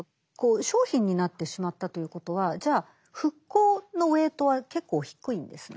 商品になってしまったということはじゃあ復興のウエイトは結構低いんですね。